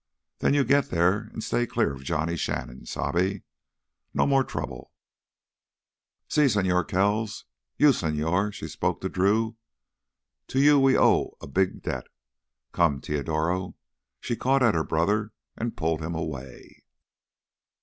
"Then you git there an' stay clear of Johnny Shannon, sabe? No more trouble." "Sí, Señor Kells. You, señor," she spoke to Drew, "to you we owe a big debt. Come, Teodoro!" She caught at her brother and pulled him away.